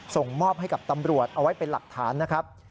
ส่งมอบให้กับตำรวจเอาไว้เป็นหลักฐานนะครับ